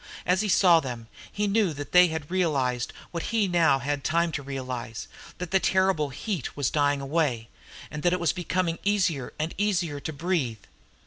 As he saw them, he knew that they had realised what he now had time to realise that the terrible heat was dying away, and that it was becoming easier and easier to breathe.